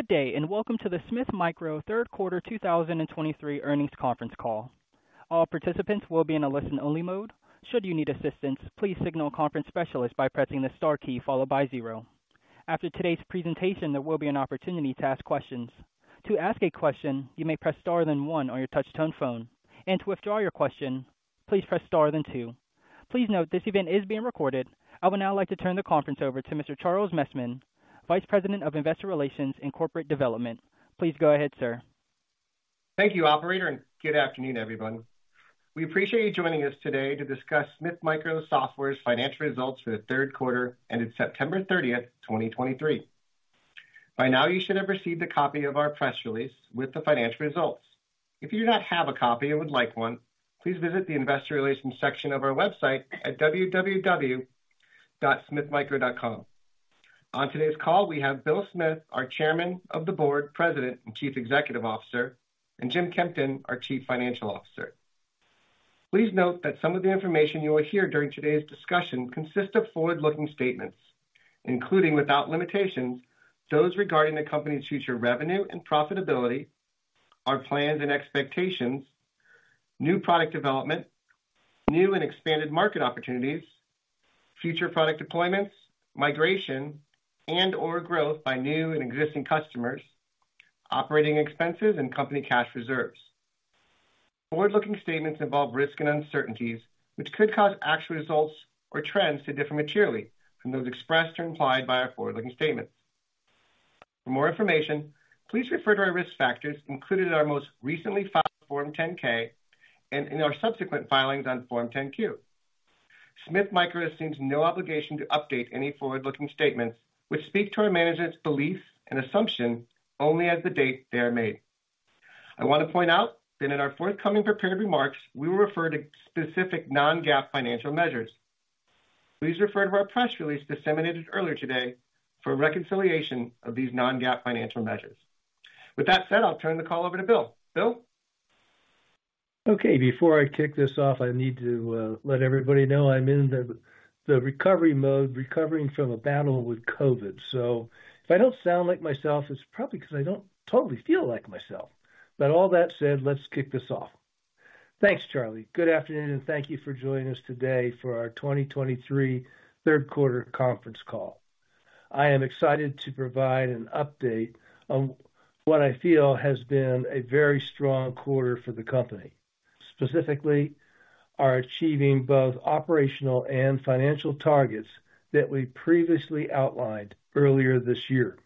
Good day, and welcome to the Smith Micro third quarter 2023 earnings conference call. All participants will be in a listen-only mode. Should you need assistance, please signal a conference specialist by pressing the star key followed by zero. After today's presentation, there will be an opportunity to ask questions. To ask a question, you may press star, then one on your touchtone phone, and to withdraw your question, please press star, then two. Please note, this event is being recorded. I would now like to turn the conference over to Mr. Charles Messman, Vice President of Investor Relations and Corporate Development. Please go ahead, sir. Thank you, operator, and good afternoon, everyone. We appreciate you joining us today to discuss Smith Micro Software's financial results for the third quarter, ending September 30, 2023. By now, you should have received a copy of our press release with the financial results. If you do not have a copy and would like one, please visit the investor relations section of our website at www.smithmicro.com. On today's call, we have Bill Smith, our Chairman of the Board, President, and Chief Executive Officer, and Jim Kempton, our Chief Financial Officer. Please note that some of the information you will hear during today's discussion consists of forward-looking statements, including, without limitation, those regarding the company's future revenue and profitability, our plans and expectations, new product development, new and expanded market opportunities, future product deployments, migration and/or growth by new and existing customers, operating expenses, and company cash reserves. Forward-looking statements involve risks and uncertainties, which could cause actual results or trends to differ materially from those expressed or implied by our forward-looking statements. For more information, please refer to our risk factors included in our most recently filed Form 10-K and in our subsequent filings on Form 10-Q. Smith Micro assumes no obligation to update any forward-looking statements which speak only to our management's beliefs and assumptions as of the date they are made. I want to point out that in our forthcoming prepared remarks, we will refer to specific non-GAAP financial measures. Please refer to our press release disseminated earlier today for a reconciliation of these non-GAAP financial measures. With that said, I'll turn the call over to Bill. Bill? Okay. Before I kick this off, I need to let everybody know I'm in the recovery mode, recovering from a battle with COVID. So if I don't sound like myself, it's probably because I don't totally feel like myself. But all that said, let's kick this off. Thanks, Charlie. Good afternoon, and thank you for joining us today for our 2023 third quarter conference call. I am excited to provide an update on what I feel has been a very strong quarter for the company, specifically, are achieving both operational and financial targets that we previously outlined earlier this year.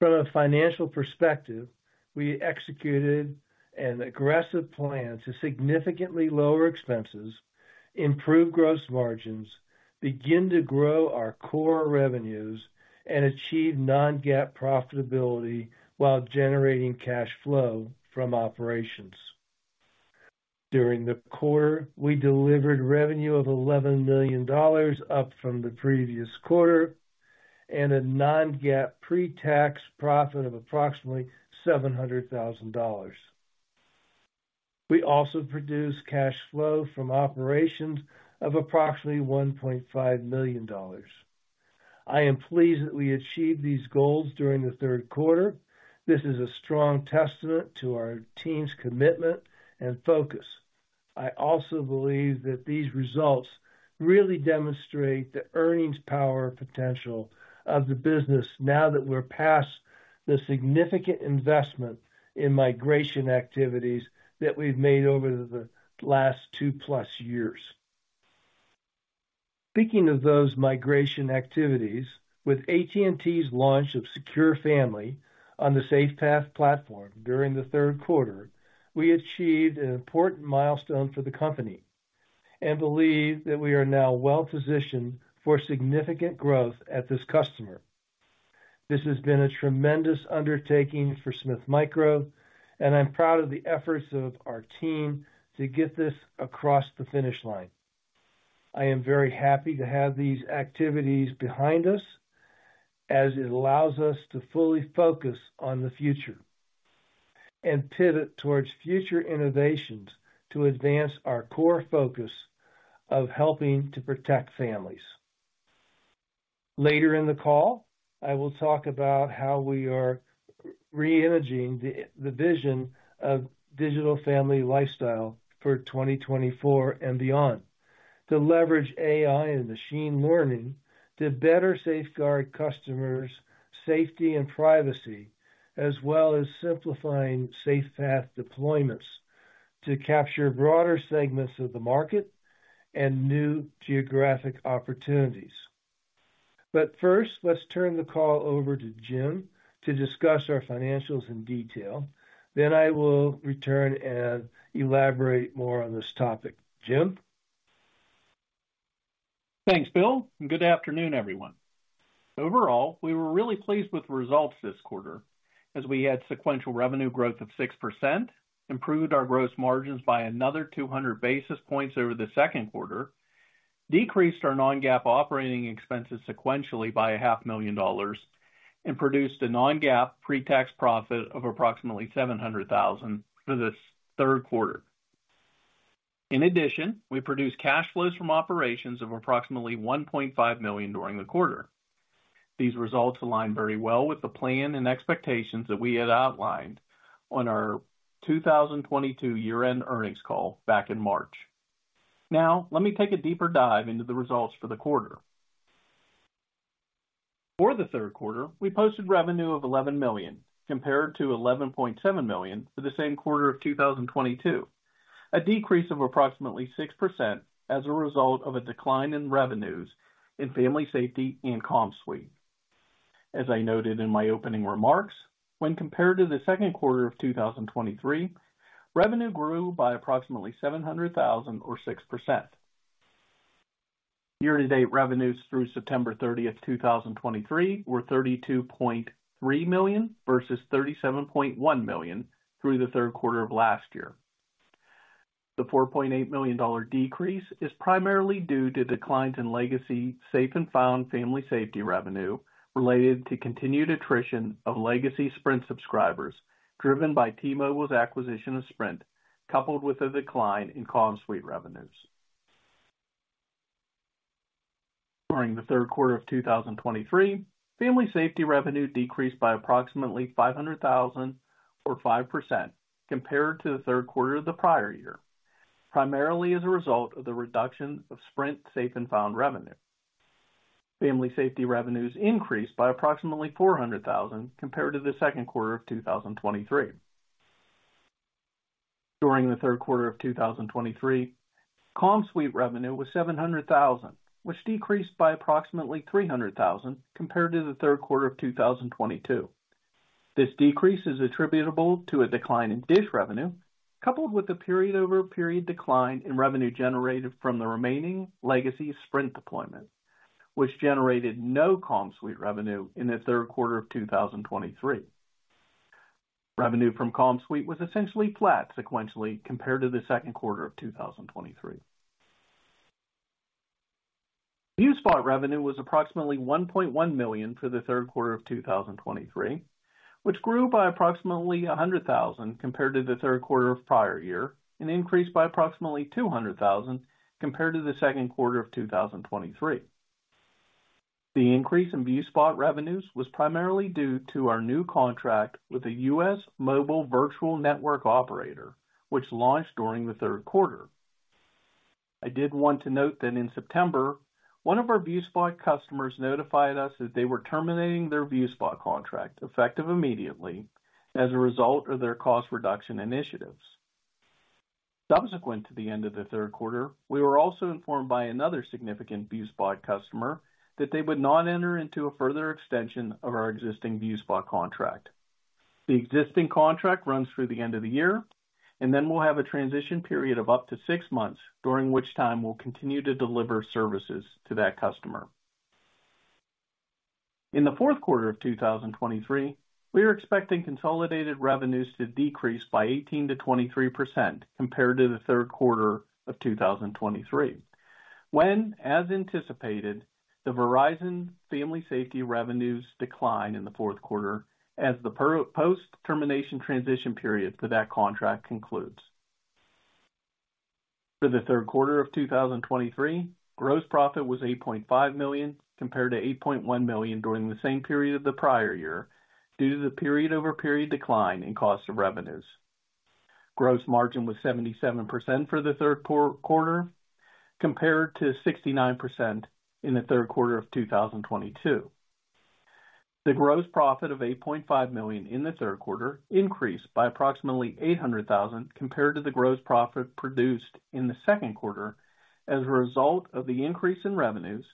From a financial perspective, we executed an aggressive plan to significantly lower expenses, improve gross margins, begin to grow our core revenues, and achieve Non-GAAP profitability while generating cash flow from operations. During the quarter, we delivered revenue of $11 million, up from the previous quarter, and a Non-GAAP pre-tax profit of approximately $700,000. We also produced cash flow from operations of approximately $1.5 million. I am pleased that we achieved these goals during the third quarter. This is a strong testament to our team's commitment and focus. I also believe that these results really demonstrate the earnings power potential of the business now that we're past the significant investment in migration activities that we've made over the last 2+ years. Speaking of those migration activities, with AT&T's launch of Secure Family on the SafePath platform during the third quarter, we achieved an important milestone for the company and believe that we are now well positioned for significant growth at this customer. This has been a tremendous undertaking for Smith Micro, and I'm proud of the efforts of our team to get this across the finish line. I am very happy to have these activities behind us, as it allows us to fully focus on the future and pivot towards future innovations to advance our core focus of helping to protect families. Later in the call, I will talk about how we are re-imagining the vision of digital family lifestyle for 2024 and beyond, to leverage AI and machine learning to better safeguard customers' safety and privacy, as well as simplifying SafePath deployments to capture broader segments of the market and new geographic opportunities. But first, let's turn the call over to Jim to discuss our financials in detail. Then I will return and elaborate more on this topic. Jim? Thanks, Bill, and good afternoon, everyone. Overall, we were really pleased with the results this quarter, as we had sequential revenue growth of 6%, improved our gross margins by another 200 basis points over the second quarter, decreased our non-GAAP operating expenses sequentially by $500,000, and produced a non-GAAP pre-tax profit of approximately $700,000 for this third quarter. In addition, we produced cash flows from operations of approximately $1.5 million during the quarter. These results align very well with the plan and expectations that we had outlined on our 2022 year-end earnings call back in March. Now, let me take a deeper dive into the results for the quarter. For the third quarter, we posted revenue of $11 million, compared to $11.7 million for the same quarter of 2022, a decrease of approximately 6% as a result of a decline in revenues in Family Safety and CommSuite. As I noted in my opening remarks, when compared to the second quarter of 2023, revenue grew by approximately $700,000 or 6%. Year-to-date revenues through September 30, 2023, were $32.3 million versus $37.1 million through the third quarter of last year. The $4.8 million decrease is primarily due to declines in legacy Safe and Found Family Safety revenue related to continued attrition of legacy Sprint subscribers, driven by T-Mobile's acquisition of Sprint, coupled with a decline in CommSuite revenues. During the third quarter of 2023, Family Safety revenue decreased by approximately $500,000 or 5% compared to the third quarter of the prior year, primarily as a result of the reduction of Sprint Safe and Found revenue. Family Safety revenues increased by approximately $400,000 compared to the second quarter of 2023. During the third quarter of 2023, CommSuite revenue was $700,000, which decreased by approximately $300,000 compared to the third quarter of 2022. This decrease is attributable to a decline in Dish revenue, coupled with a period-over-period decline in revenue generated from the remaining legacy Sprint deployment, which generated no CommSuite revenue in the third quarter of 2023. Revenue from CommSuite was essentially flat sequentially compared to the second quarter of 2023. ViewSpot revenue was approximately $1.1 million for the third quarter of 2023, which grew by approximately $100,000 compared to the third quarter of prior year, and increased by approximately $200,000 compared to the second quarter of 2023. The increase in ViewSpot revenues was primarily due to our new contract with the U.S. mobile virtual network operator, which launched during the third quarter. I did want to note that in September, one of our ViewSpot customers notified us that they were terminating their ViewSpot contract, effective immediately as a result of their cost reduction initiatives. Subsequent to the end of the third quarter, we were also informed by another significant ViewSpot customer that they would not enter into a further extension of our existing ViewSpot contract. The existing contract runs through the end of the year, and then we'll have a transition period of up to six months, during which time we'll continue to deliver services to that customer. In the fourth quarter of 2023, we are expecting consolidated revenues to decrease by 18%-23% compared to the third quarter of 2023, when, as anticipated, the Verizon Family Safety revenues decline in the fourth quarter as the post-termination transition period for that contract concludes. For the third quarter of 2023, gross profit was $8.5 million, compared to $8.1 million during the same period of the prior year, due to the period-over-period decline in cost of revenues. Gross margin was 77% for the third quarter, compared to 69% in the third quarter of 2022. The gross profit of $8.5 million in the third quarter increased by approximately $800,000 compared to the gross profit produced in the second quarter as a result of the increase in revenues,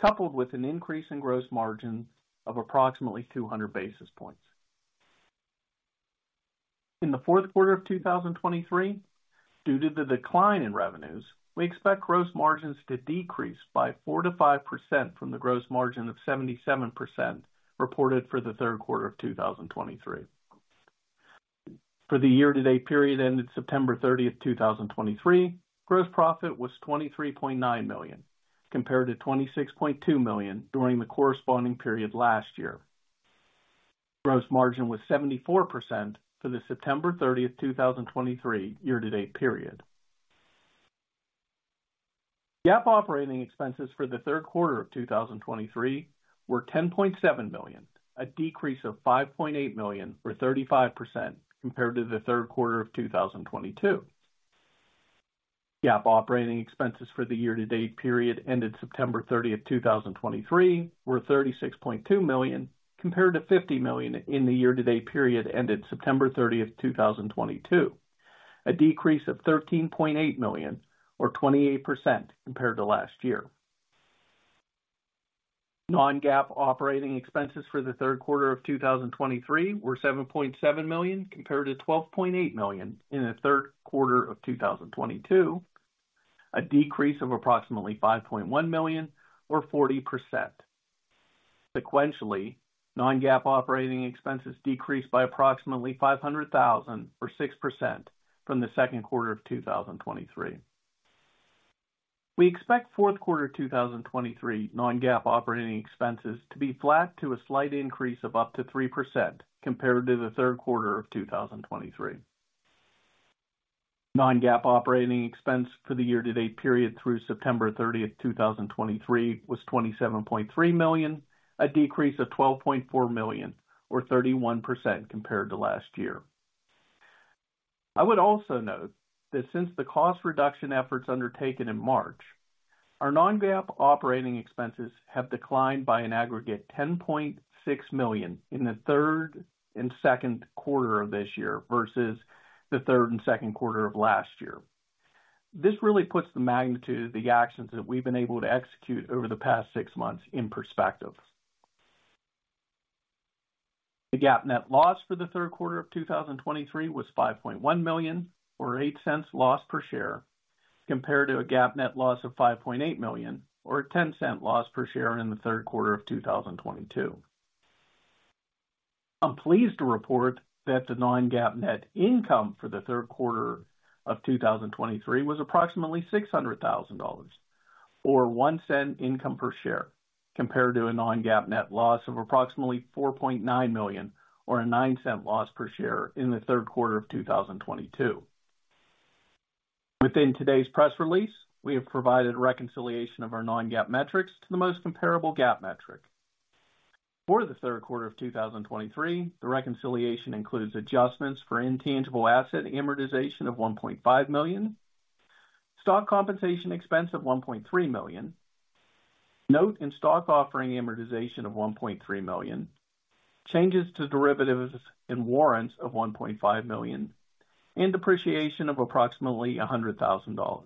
coupled with an increase in gross margin of approximately 200 basis points. In the fourth quarter of 2023, due to the decline in revenues, we expect gross margins to decrease by 4%-5% from the gross margin of 77% reported for the third quarter of 2023. For the year-to-date period ended September 30, 2023, gross profit was $23.9 million, compared to $26.2 million during the corresponding period last year. Gross margin was 74% for the September 30, 2023 year-to-date period. GAAP operating expenses for the third quarter of 2023 were $10.7 million, a decrease of $5.8 million, or 35%, compared to the third quarter of 2022. GAAP operating expenses for the year-to-date period ended September 30, 2023, were $36.2 million, compared to $50 million in the year-to-date period ended September 30, 2022, a decrease of $13.8 million or 28% compared to last year. Non-GAAP operating expenses for the third quarter of 2023 were $7.7 million, compared to $12.8 million in the third quarter of 2022, a decrease of approximately $5.1 million or 40%. Sequentially, non-GAAP operating expenses decreased by approximately $500,000 or 6% from the second quarter of 2023. We expect fourth quarter 2023 non-GAAP operating expenses to be flat to a slight increase of up to 3% compared to the third quarter of 2023. Non-GAAP operating expense for the year-to-date period through September 30, 2023, was $27.3 million, a decrease of $12.4 million, or 31% compared to last year. I would also note that since the cost reduction efforts undertaken in March, our non-GAAP operating expenses have declined by an aggregate $10.6 million in the third and second quarter of this year versus the third and second quarter of last year. This really puts the magnitude of the actions that we've been able to execute over the past six months in perspective. The GAAP net loss for the third quarter of 2023 was $5.1 million, or $0.08 loss per share, compared to a GAAP net loss of $5.8 million, or $0.10 loss per share in the third quarter of 2022. I'm pleased to report that the non-GAAP net income for the third quarter of 2023 was approximately $600,000, or $0.01 income per share, compared to a non-GAAP net loss of approximately $4.9 million, or a $0.09 loss per share in the third quarter of 2022. Within today's press release, we have provided reconciliation of our non-GAAP metrics to the most comparable GAAP metric. For the third quarter of 2023, the reconciliation includes adjustments for intangible asset amortization of $1.5 million, stock compensation expense of $1.3 million, note and stock offering amortization of $1.3 million, changes to derivatives and warrants of $1.5 million, and depreciation of approximately $100,000.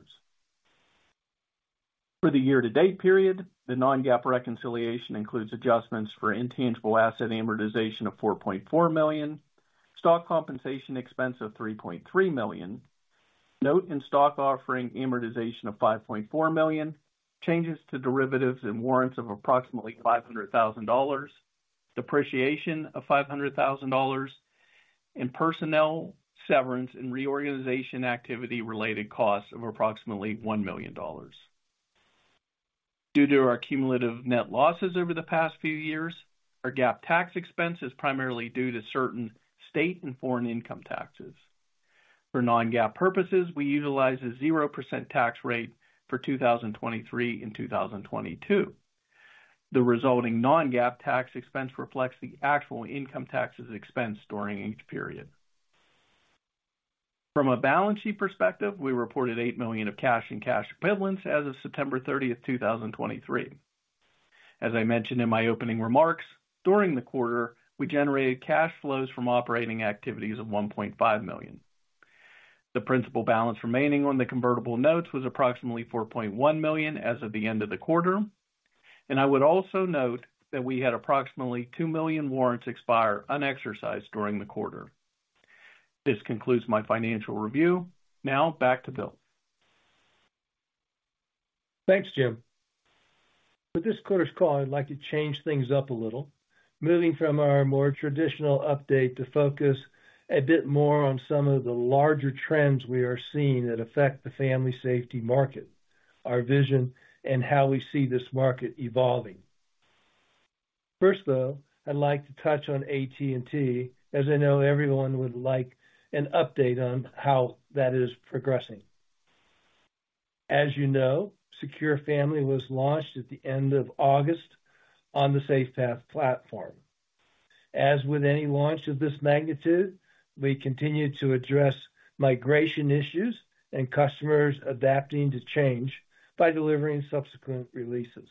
For the year-to-date period, the non-GAAP reconciliation includes adjustments for intangible asset amortization of $4.4 million, stock compensation expense of $3.3 million, note and stock offering amortization of $5.4 million, changes to derivatives and warrants of approximately $500,000, depreciation of $500,000, and personnel, severance, and reorganization activity related costs of approximately $1 million. Due to our cumulative net losses over the past few years, our GAAP tax expense is primarily due to certain state and foreign income taxes. For non-GAAP purposes, we utilize a 0% tax rate for 2023 and 2022. The resulting non-GAAP tax expense reflects the actual income taxes expense during each period. From a balance sheet perspective, we reported $8 million of cash and cash equivalents as of September 30, 2023. As I mentioned in my opening remarks, during the quarter, we generated cash flows from operating activities of $1.5 million. The principal balance remaining on the convertible notes was approximately $4.1 million as of the end of the quarter, and I would also note that we had approximately 2 million warrants expire unexercised during the quarter. This concludes my financial review. Now back to Bill. Thanks, Jim. For this quarter's call, I'd like to change things up a little, moving from our more traditional update to focus a bit more on some of the larger trends we are seeing that affect the family safety market, our vision, and how we see this market evolving. First, though, I'd like to touch on AT&T, as I know everyone would like an update on how that is progressing. As you know, Secure Family was launched at the end of August on the SafePath platform. As with any launch of this magnitude, we continue to address migration issues and customers adapting to change by delivering subsequent releases.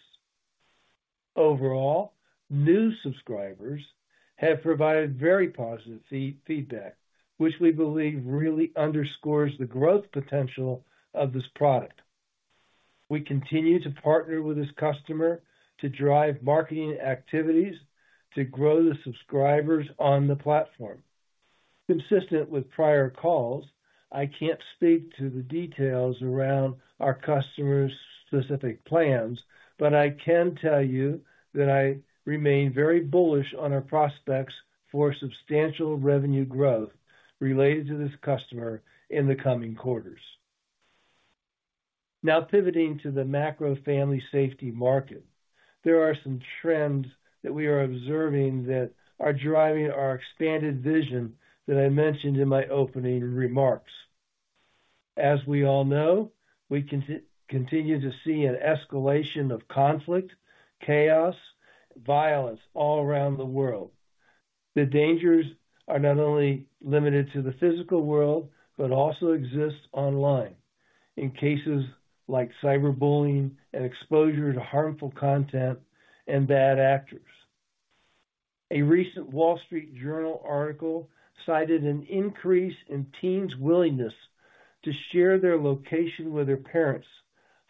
Overall, new subscribers have provided very positive feedback, which we believe really underscores the growth potential of this product. We continue to partner with this customer to drive marketing activities to grow the subscribers on the platform. Consistent with prior calls, I can't speak to the details around our customer's specific plans, but I can tell you that I remain very bullish on our prospects for substantial revenue growth related to this customer in the coming quarters. Now, pivoting to the macro family safety market, there are some trends that we are observing that are driving our expanded vision that I mentioned in my opening remarks. As we all know, we continue to see an escalation of conflict, chaos, violence all around the world. The dangers are not only limited to the physical world, but also exist online in cases like cyberbullying and exposure to harmful content and bad actors. A recent Wall Street Journal article cited an increase in teens' willingness to share their location with their parents,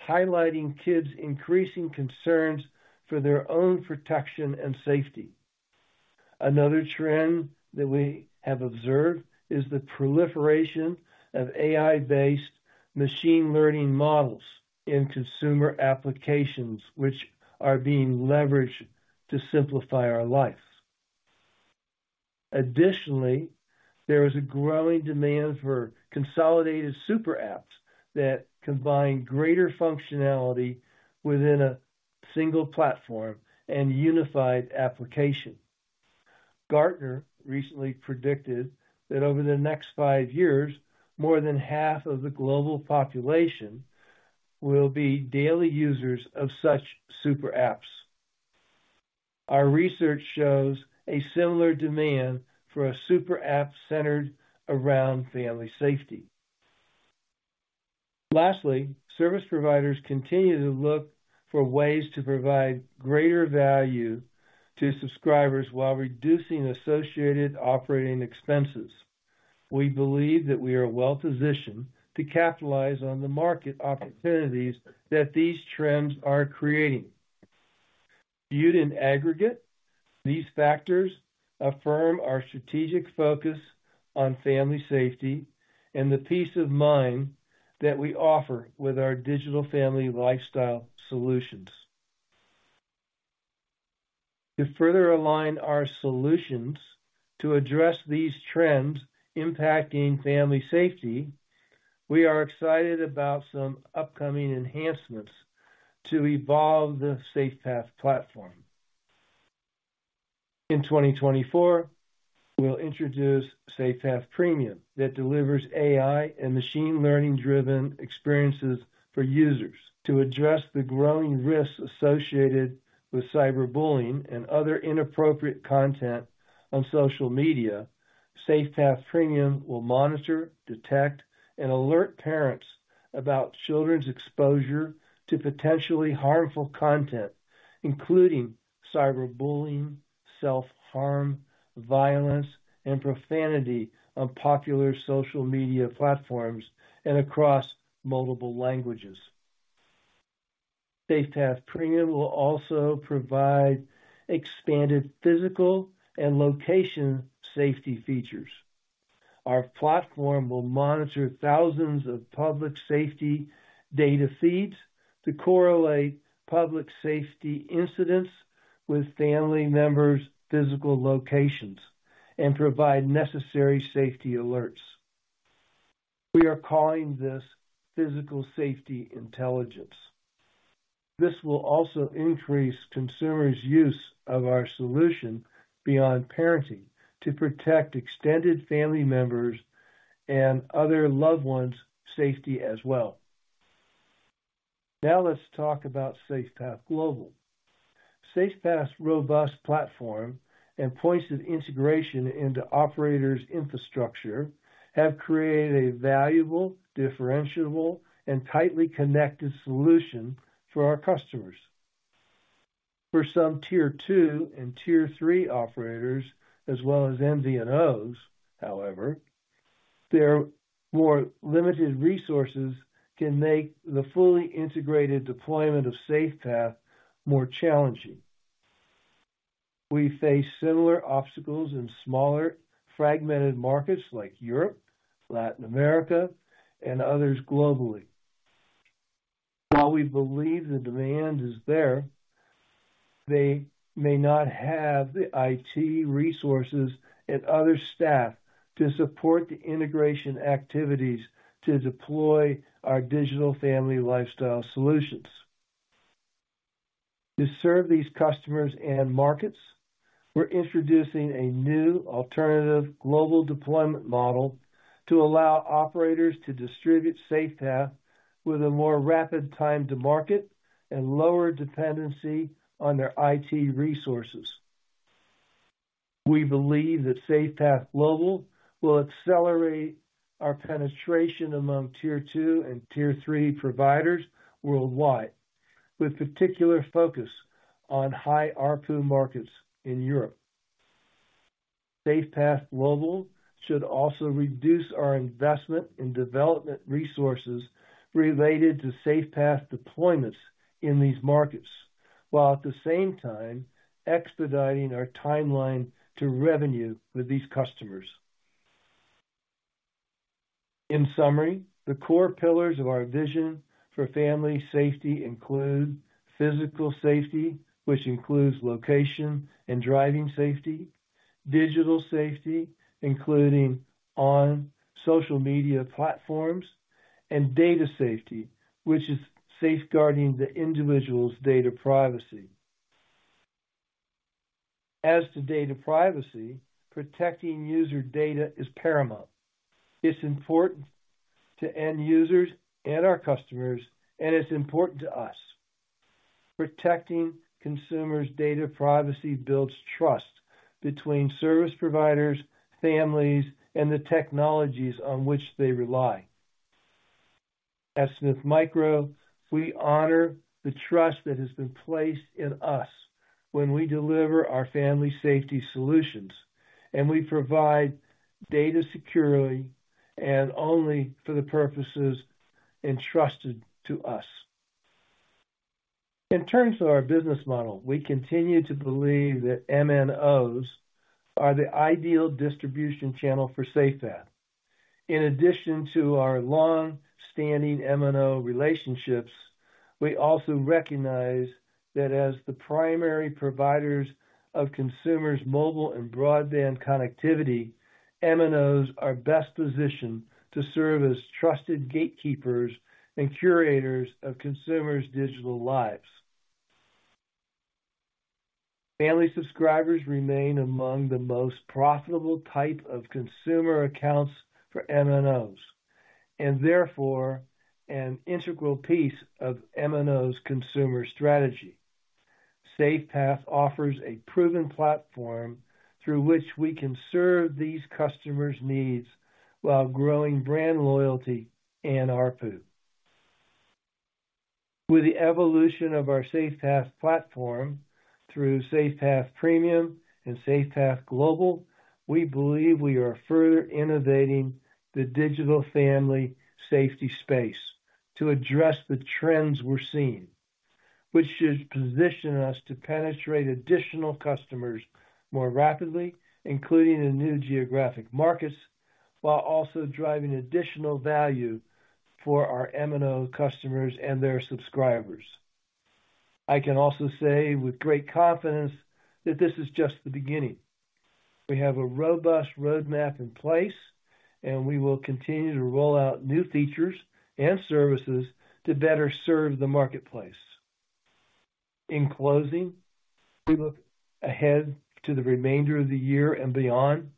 highlighting kids' increasing concerns for their own protection and safety. Another trend that we have observed is the proliferation of AI-based machine learning models in consumer applications, which are being leveraged to simplify our lives. Additionally, there is a growing demand for consolidated super apps that combine greater functionality within a single platform and unified application. Gartner recently predicted that over the next five years, more than half of the global population will be daily users of such super apps. Our research shows a similar demand for a super app centered around family safety. Lastly, service providers continue to look for ways to provide greater value to subscribers while reducing associated operating expenses. We believe that we are well positioned to capitalize on the market opportunities that these trends are creating. Viewed in aggregate, these factors affirm our strategic focus on family safety and the peace of mind that we offer with our digital family lifestyle solutions. To further align our solutions to address these trends impacting family safety, we are excited about some upcoming enhancements to evolve the SafePath platform. In 2024, we'll introduce SafePath Premium, that delivers AI and machine learning-driven experiences for users. To address the growing risks associated with cyberbullying and other inappropriate content on social media, SafePath Premium will monitor, detect, and alert parents about children's exposure to potentially harmful content, including cyberbullying, self-harm, violence, and profanity on popular social media platforms and across multiple languages. SafePath Premium will also provide expanded physical and location safety features. Our platform will monitor thousands of public safety data feeds to correlate public safety incidents with family members' physical locations and provide necessary safety alerts. We are calling this Physical Safety Intelligence. This will also increase consumers' use of our solution beyond parenting, to protect extended family members and other loved ones' safety as well. Now let's talk about SafePath Global. SafePath's robust platform and points of integration into operators' infrastructure have created a valuable, differentiable, and tightly connected solution for our customers. For some Tier Two and Tier Three operators, as well as MVNOs, however, their more limited resources can make the fully integrated deployment of SafePath more challenging. We face similar obstacles in smaller, fragmented markets like Europe, Latin America, and others globally. While we believe the demand is there, they may not have the IT resources and other staff to support the integration activities to deploy our digital family lifestyle solutions. To serve these customers and markets, we're introducing a new alternative global deployment model to allow operators to distribute SafePath with a more rapid time to market and lower dependency on their IT resources. We believe that SafePath Global will accelerate our penetration among Tier 2 and Tier 3 providers worldwide, with particular focus on high ARPU markets in Europe. SafePath Global should also reduce our investment in development resources related to SafePath deployments in these markets, while at the same time expediting our timeline to revenue with these customers. In summary, the core pillars of our vision for family safety include physical safety, which includes location and driving safety, digital safety, including on social media platforms, and data safety, which is safeguarding the individual's data privacy. As to data privacy, protecting user data is paramount. It's important to end users and our customers, and it's important to us. Protecting consumers' data privacy builds trust between service providers, families, and the technologies on which they rely. At Smith Micro, we honor the trust that has been placed in us when we deliver our family safety solutions, and we provide data securely and only for the purposes entrusted to us. In terms of our business model, we continue to believe that MNOs are the ideal distribution channel for SafePath. In addition to our long-standing MNO relationships, we also recognize that as the primary providers of consumers' mobile and broadband connectivity, MNOs are best positioned to serve as trusted gatekeepers and curators of consumers' digital lives. Family subscribers remain among the most profitable type of consumer accounts for MNOs, and therefore an integral piece of MNOs' consumer strategy. SafePath offers a proven platform through which we can serve these customers' needs while growing brand loyalty and ARPU. With the evolution of our SafePath platform through SafePath Premium and SafePath Global, we believe we are further innovating the digital family safety space to address the trends we're seeing, which should position us to penetrate additional customers more rapidly, including in new geographic markets, while also driving additional value for our MNO customers and their subscribers. I can also say with great confidence that this is just the beginning. We have a robust roadmap in place, and we will continue to roll out new features and services to better serve the marketplace. In closing, we look ahead to the remainder of the year and beyond.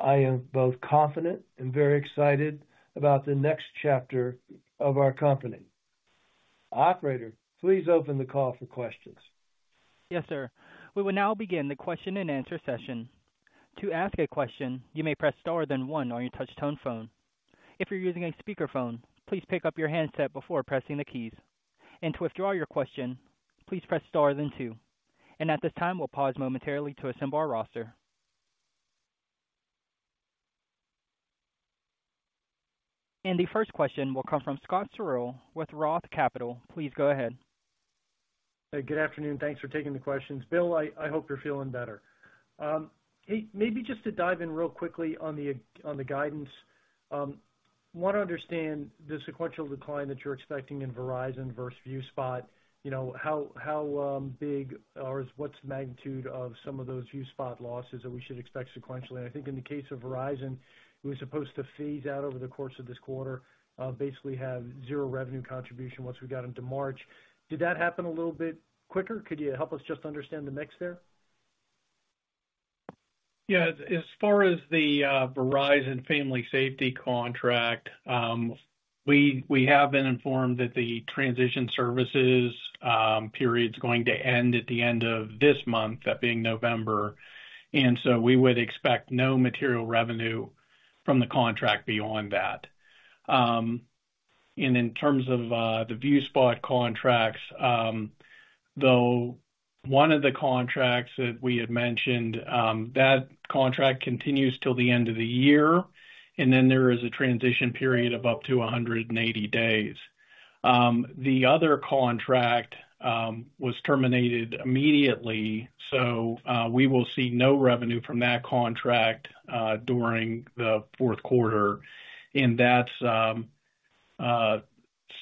I am both confident and very excited about the next chapter of our company. Operator, please open the call for questions. Yes, sir. We will now begin the question-and-answer session. To ask a question, you may press star, then one on your touch tone phone. If you're using a speakerphone, please pick up your handset before pressing the keys. And to withdraw your question, please press star then two. And at this time, we'll pause momentarily to assemble our roster. And the first question will come from Scott Searle with Roth Capital. Please go ahead. Hey, good afternoon. Thanks for taking the questions. Bill, I hope you're feeling better. Hey, maybe just to dive in real quickly on the guidance. Want to understand the sequential decline that you're expecting in Verizon versus ViewSpot. You know, how big or what's the magnitude of some of those ViewSpot losses that we should expect sequentially? I think in the case of Verizon, we were supposed to phase out over the course of this quarter, basically have zero revenue contribution once we got into March. Did that happen a little bit quicker? Could you help us just understand the mix there? Yeah, as far as the Verizon Family Safety contract, we have been informed that the transition services period's going to end at the end of this month, that being November, and so we would expect no material revenue from the contract beyond that. And in terms of the ViewSpot contracts, though one of the contracts that we had mentioned, that contract continues till the end of the year, and then there is a transition period of up to 180 days. The other contract was terminated immediately, so we will see no revenue from that contract during the fourth quarter, and that's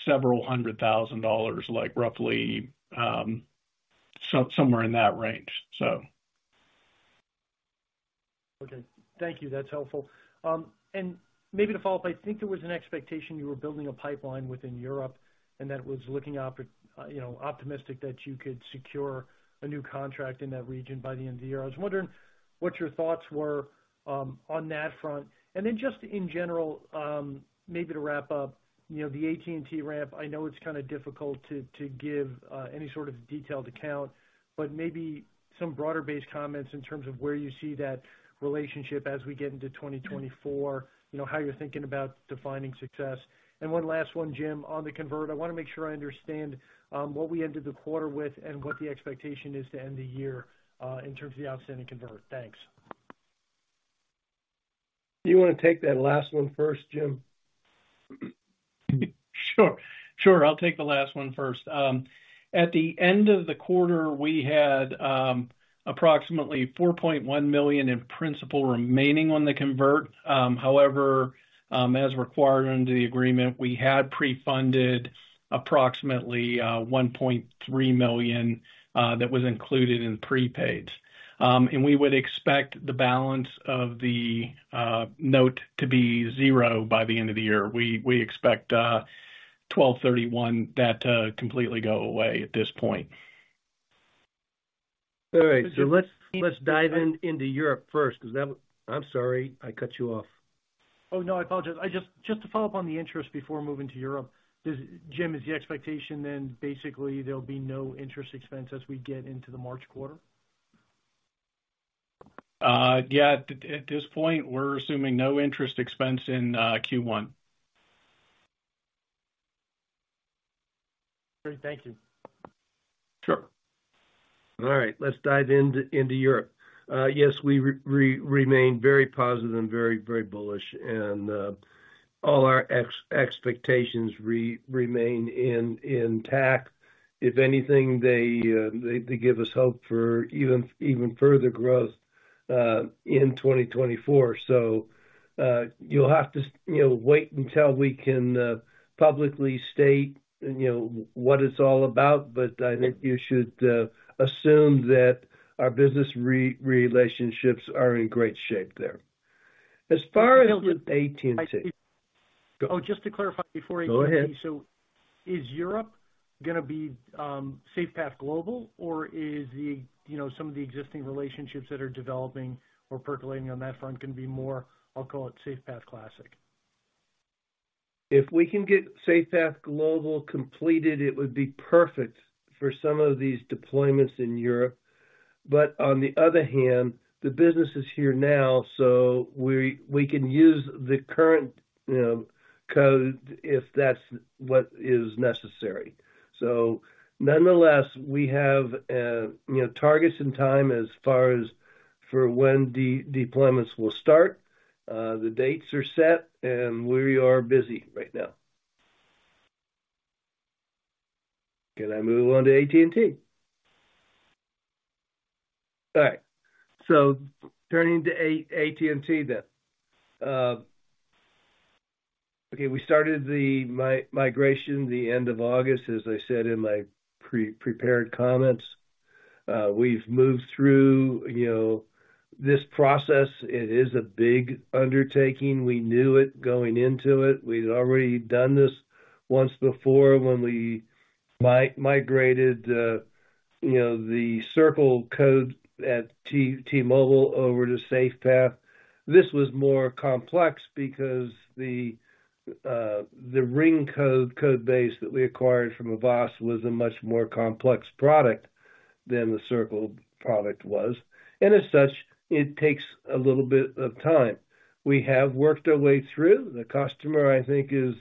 several $100,000, like roughly, somewhere in that range, so. Okay. Thank you. That's helpful. And maybe to follow up, I think there was an expectation you were building a pipeline within Europe, and that was looking optimistic, you know, that you could secure a new contract in that region by the end of the year. I was wondering what your thoughts were on that front. And then just in general, maybe to wrap up, you know, the AT&T ramp, I know it's kind of difficult to give any sort of detailed account, but maybe some broader-based comments in terms of where you see that relationship as we get into 2024, you know, how you're thinking about defining success. One last one, Jim, on the convert. I want to make sure I understand what we ended the quarter with and what the expectation is to end the year in terms of the outstanding convert. Thanks. Do you want to take that last one first, Jim? Sure. Sure, I'll take the last one first. At the end of the quarter, we had approximately $4.1 million in principal remaining on the convert. However, as required under the agreement, we had pre-funded approximately $1.3 million that was included in prepaids. And we would expect the balance of the note to be zero by the end of the year. We, we expect, 12/31, that completely go away at this point. All right, so let's dive into Europe first, because that... I'm sorry, I cut you off. Oh, no, I apologize. Just to follow up on the interest before moving to Europe. Jim, is the expectation then basically there'll be no interest expense as we get into the March quarter? Yeah, at this point, we're assuming no interest expense in Q1. Great. Thank you. Sure. All right. Let's dive into Europe. Yes, we remain very positive and very, very bullish, and all our expectations remain intact. If anything, they give us hope for even further growth in 2024. So, you'll have to, you know, wait until we can publicly state, you know, what it's all about, but I think you should assume that our business relationships are in great shape there. As far as with AT&T- Oh, just to clarify before AT&T. Go ahead. So is Europe gonna be, SafePath Global, or is the, you know, some of the existing relationships that are developing or percolating on that front gonna be more, I'll call it, SafePath Classic? If we can get SafePath Global completed, it would be perfect for some of these deployments in Europe. But on the other hand, the business is here now, so we can use the current, you know, code if that's what is necessary. So nonetheless, we have, you know, targets and time as far as for when deployments will start. The dates are set, and we are busy right now. Can I move on to AT&T? All right. So turning to AT&T then. Okay, we started the migration the end of August, as I said in my prepared comments. We've moved through, you know, this process. It is a big undertaking. We knew it going into it. We'd already done this once before when we migrated, you know, the Circle code at T-Mobile over to SafePath. This was more complex because the, the Ring code base that we acquired from Avast was a much more complex product than the Circle product was, and as such, it takes a little bit of time. We have worked our way through. The customer, I think, is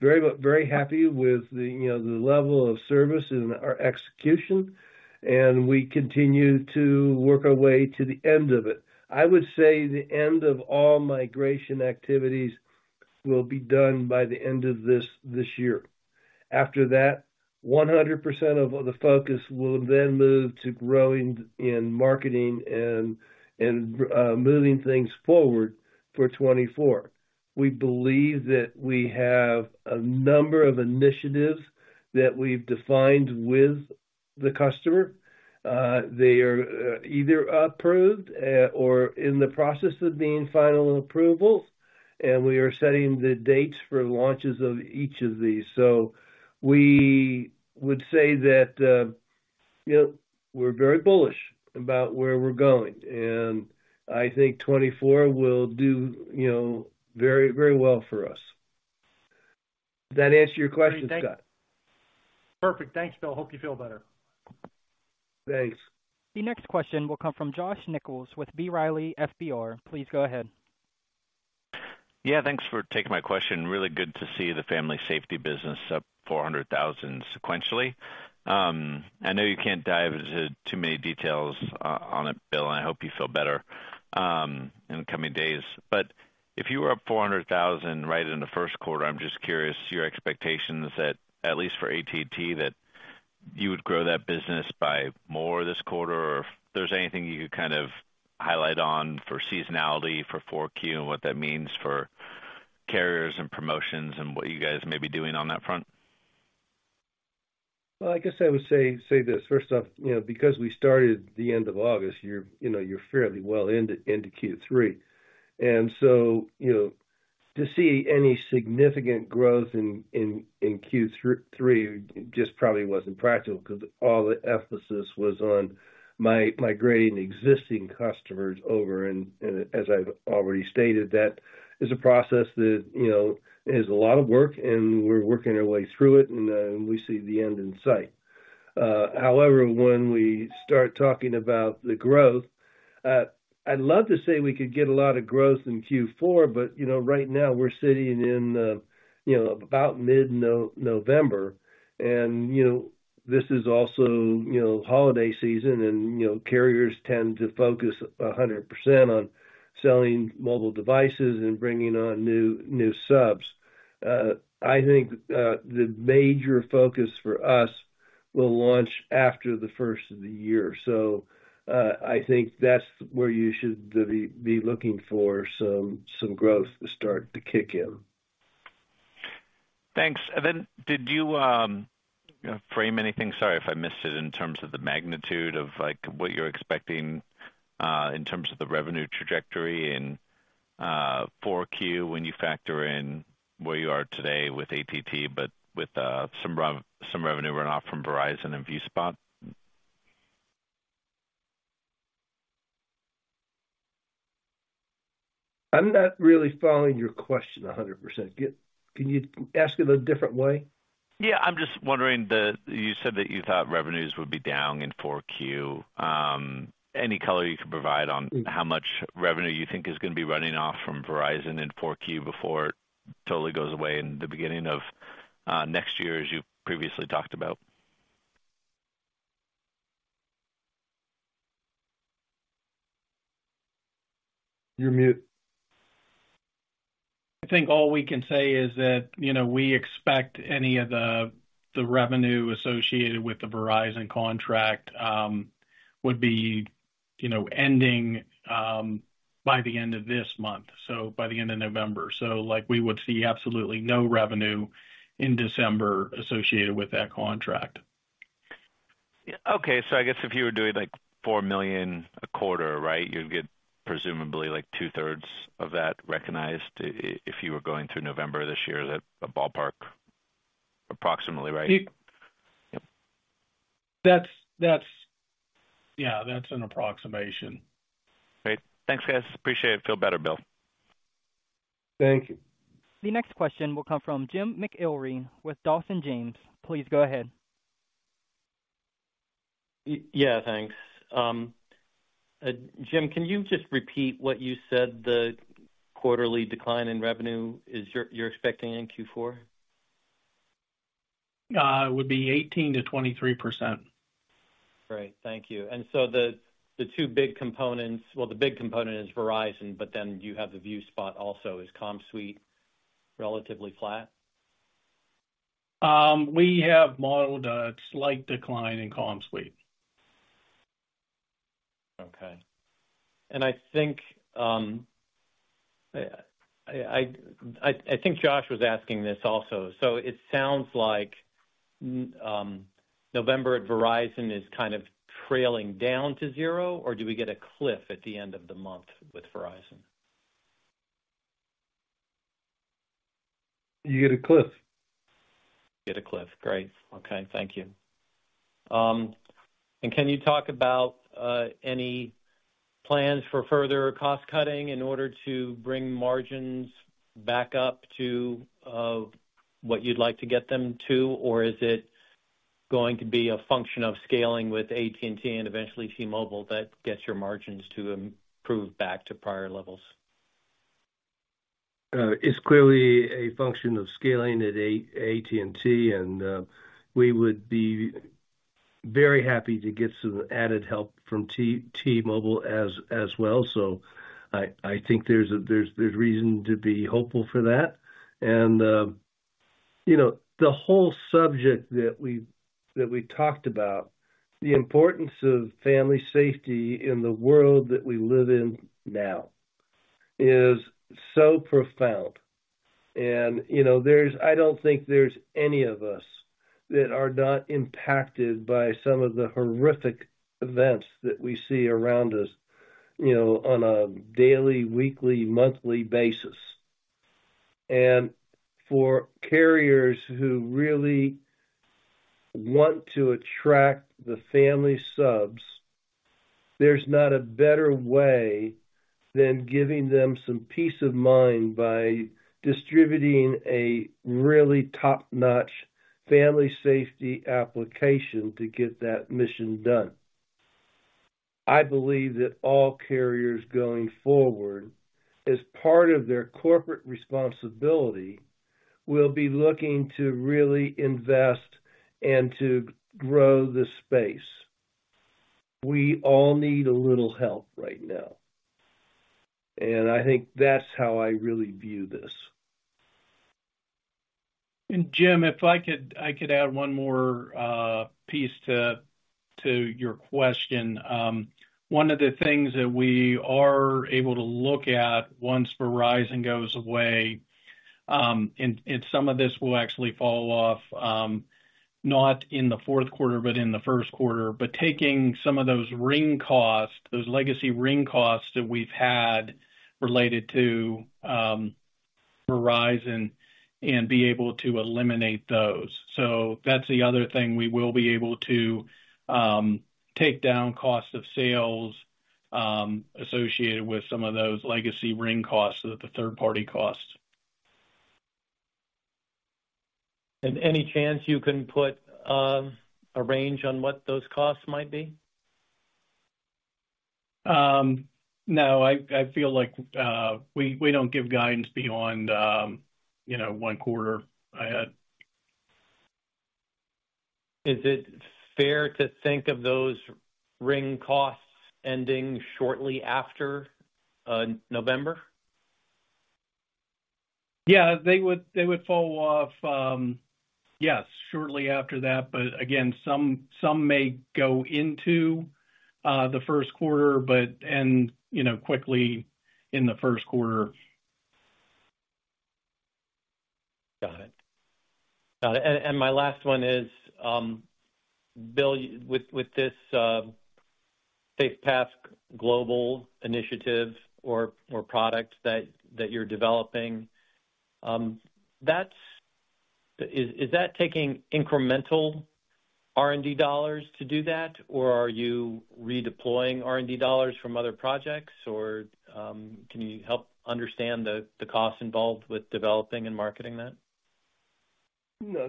very, very happy with the, you know, the level of service and our execution, and we continue to work our way to the end of it. I would say the end of all migration activities will be done by the end of this year. After that, 100% of the focus will then move to growing and marketing and moving things forward for 2024. We believe that we have a number of initiatives that we've defined with the customer. They are either approved or in the process of being final approvals, and we are setting the dates for launches of each of these. So we would say that, you know, we're very bullish about where we're going, and I think 2024 will do, you know, very, very well for us. Does that answer your question, Scott? Perfect. Thanks, Bill. Hope you feel better. Thanks. The next question will come from Josh Nichols with B. Riley FBR. Please go ahead. Yeah, thanks for taking my question. Really good to see the Family Safety business up 400,000 sequentially. I know you can't dive into too many details on it, Bill, and I hope you feel better in the coming days. But if you were up 400,000 right in the first quarter, I'm just curious your expectations that, at least for AT&T, that you would grow that business by more this quarter, or if there's anything you could kind of highlight on for seasonality for Q4 and what that means for carriers and promotions and what you guys may be doing on that front. Well, I guess I would say this: First off, you know, because we started the end of August, you're, you know, you're fairly well into Q3. And so, you know, to see any significant growth in Q3 just probably wasn't practical because all the emphasis was on migrating existing customers over. And as I've already stated, that is a process that, you know, is a lot of work, and we're working our way through it, and we see the end in sight. However, when we start talking about the growth, I'd love to say we could get a lot of growth in Q4, but, you know, right now we're sitting in, you know, about mid-November, and, you know, this is also, you know, holiday season, and, you know, carriers tend to focus 100% on selling mobile devices and bringing on new subs. I think the major focus for us will launch after the first of the year. So, I think that's where you should be looking for some growth to start to kick in. Thanks. And then did you frame anything, sorry if I missed it, in terms of the magnitude of, like, what you're expecting, in terms of the revenue trajectory in Q4, when you factor in where you are today with AT&T, but with some revenue runoff from Verizon and ViewSpot? I'm not really following your question 100%. Can you ask it a different way? Yeah, I'm just wondering that you said that you thought revenues would be down in Q4. Any color you can provide on how much revenue you think is gonna be running off from Verizon in Q4 before it totally goes away in the beginning of next year, as you previously talked about? You're mute. I think all we can say is that, you know, we expect any of the, the revenue associated with the Verizon contract, would be, you know, ending, by the end of this month, so by the end of November. So like, we would see absolutely no revenue in December associated with that contract. Yeah. Okay. So I guess if you were doing, like, $4 million a quarter, right, you'd get presumably like two-thirds of that recognized if you were going through November this year. Is that a ballpark, approximately, right? You- Yep. Yeah, that's an approximation. Great. Thanks, guys. Appreciate it. Feel better, Bill. Thank you. The next question will come from Jim McIlree with Dawson James. Please go ahead. Yeah, thanks. Jim, can you just repeat what you said the quarterly decline in revenue is? You're expecting in Q4? It would be 18%-23%. Great. Thank you. So the two big components. Well, the big component is Verizon, but then you have the ViewSpot also. Is CommSuite relatively flat? We have modeled a slight decline in CommSuite. Okay. I think Josh was asking this also. It sounds like November at Verizon is kind of trailing down to zero, or do we get a cliff at the end of the month with Verizon? You get a cliff. You get a cliff. Great. Okay, thank you. Can you talk about any plans for further cost-cutting in order to bring margins back up to what you'd like to get them to? Or is it going to be a function of scaling with AT&T and eventually T-Mobile that gets your margins to improve back to prior levels? It's clearly a function of scaling at AT&T, and we would be very happy to get some added help from T-Mobile as well. So I think there's reason to be hopeful for that. And you know, the whole subject that we talked about, the importance of family safety in the world that we live in now, is so profound. And you know, I don't think there's any of us that are not impacted by some of the horrific events that we see around us, you know, on a daily, weekly, monthly basis. And for carriers who really want to attract the family subs, there's not a better way than giving them some peace of mind by distributing a really top-notch family safety application to get that mission done. I believe that all carriers going forward, as part of their corporate responsibility, will be looking to really invest and to grow this space. We all need a little help right now, and I think that's how I really view this. Jim, if I could, I could add one more piece to your question. One of the things that we are able to look at once Verizon goes away, and some of this will actually fall off, not in the fourth quarter, but in the first quarter. But taking some of those Ring costs, those legacy Ring costs that we've had related to Verizon and be able to eliminate those. So that's the other thing. We will be able to take down costs of sales associated with some of those legacy Ring costs, the third-party costs. Any chance you can put a range on what those costs might be? No, I feel like we don't give guidance beyond, you know, one quarter ahead. Is it fair to think of those Ring costs ending shortly after, November? Yeah, they would fall off, yes, shortly after that. But again, some may go into the first quarter, but and, you know, quickly in the first quarter. Got it. Got it. And my last one is, Bill, with this SafePath Global initiative or product that you're developing. Is that taking incremental R&D dollars to do that, or are you redeploying R&D dollars from other projects? Or can you help understand the costs involved with developing and marketing that? No,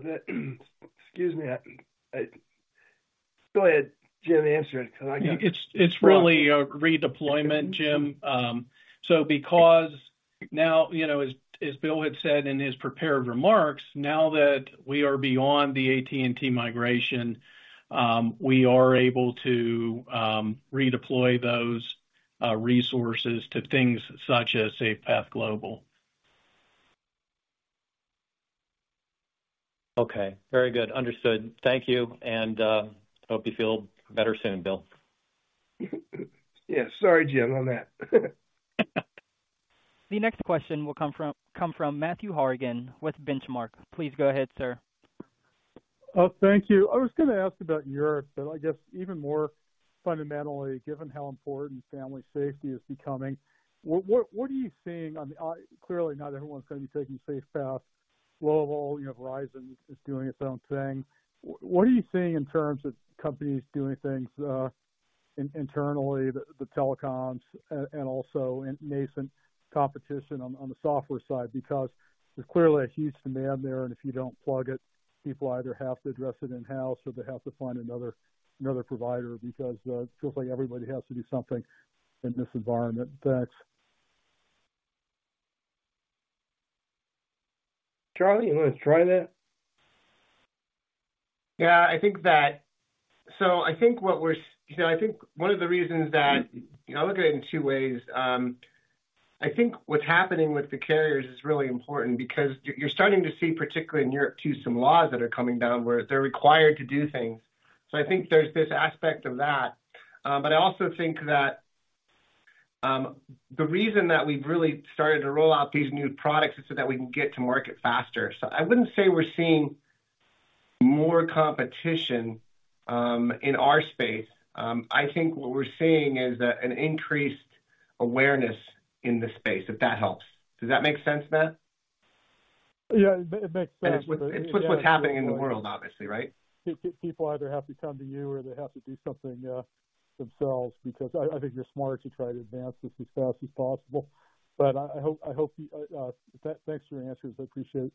excuse me. Go ahead, Jim, answer it, because I can't. It's really a redeployment, Jim. Now, you know, as Bill had said in his prepared remarks, now that we are beyond the AT&T migration, we are able to redeploy those resources to things such as SafePath Global. Okay, very good. Understood. Thank you, and hope you feel better soon, Bill. Yeah. Sorry, Jim, on that. The next question will come from Matthew Harrigan with Benchmark. Please go ahead, sir. Oh, thank you. I was going to ask about Europe, but I guess even more fundamentally, given how important family safety is becoming, what are you seeing on the, clearly, not everyone's going to be taking SafePath. Well, you know, Verizon is doing its own thing. What are you seeing in terms of companies doing things internally, the telecoms and also nascent competition on the software side? Because there's clearly a huge demand there, and if you don't plug it, people either have to address it in-house or they have to find another provider, because it feels like everybody has to do something in this environment. Thanks. Charlie, you want to try that? Yeah, I think that. So I think what we're, you know, I think one of the reasons that, you know, I look at it in two ways. I think what's happening with the carriers is really important because you're starting to see, particularly in Europe, too, some laws that are coming down where they're required to do things. So I think there's this aspect of that. But I also think that the reason that we've really started to roll out these new products is so that we can get to market faster. So I wouldn't say we're seeing more competition in our space. I think what we're seeing is that an increased awareness in the space, if that helps. Does that make sense, Matt? Yeah, it makes sense. It's with what's happening in the world, obviously, right? People either have to come to you, or they have to do something themselves, because I think you're smart to try to advance this as fast as possible. But I hope, thanks for your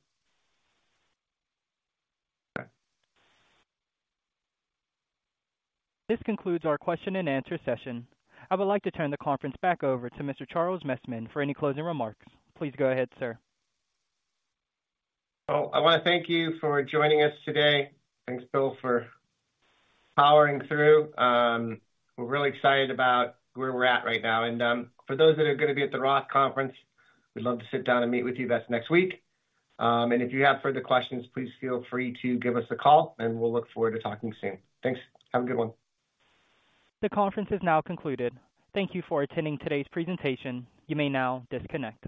answers. I appreciate it. Okay. This concludes our question and answer session. I would like to turn the conference back over to Mr. Charles Messman for any closing remarks. Please go ahead, sir. Well, I want to thank you for joining us today. Thanks, Bill, for powering through. We're really excited about where we're at right now, and for those that are going to be at the Roth Conference, we'd love to sit down and meet with you. That's next week. And if you have further questions, please feel free to give us a call, and we'll look forward to talking soon. Thanks. Have a good one. The conference is now concluded. Thank you for attending today's presentation. You may now disconnect.